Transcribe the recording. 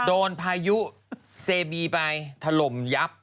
พายุเซบีไปถล่มยับ